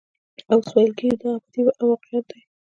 اوس ویل کېږي دا ابدي واقعیت دی.